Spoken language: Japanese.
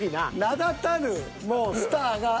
名だたるもうスターが。